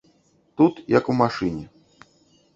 Тут, як у машыне.